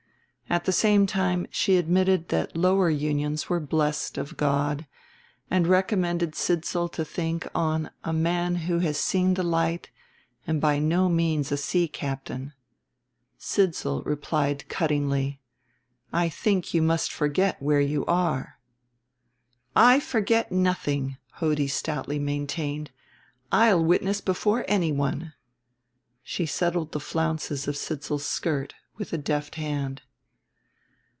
At the same time she admitted that lower unions were blessed of God, and recommended Sidsall to think on "a man who has seen the light and by no means a sea captain." Sidsall replied cuttingly, "I think you must forget where you are." "I forget nothing," Hodie stoutly maintained; "I'll witness before anyone." She settled the flounces of Sidsall's skirt with a deft hand.